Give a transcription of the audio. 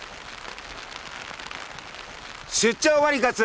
出張ワリカツ